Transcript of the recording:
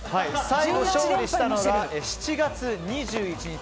再勝利したのが７月２１日